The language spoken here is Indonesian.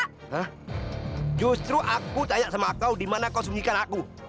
hah justru aku tanya sama kau dimana kau sembunyikan aku